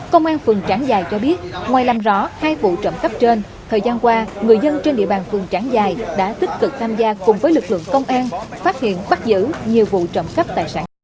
công an phường trảng dài cho biết ngoài làm rõ hai vụ trộm cắp trên thời gian qua người dân trên địa bàn phường trảng giài đã tích cực tham gia cùng với lực lượng công an phát hiện bắt giữ nhiều vụ trộm cắp tài sản